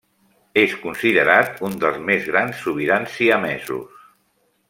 És considerat un dels més grans sobirans siamesos.